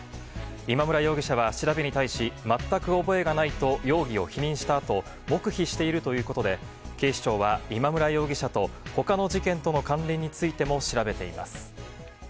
今村容疑者は調べに対し全く覚えがないと容疑を否認したあと黙秘しているということで警視庁は今村容疑者と他の事件との関連についても調べています。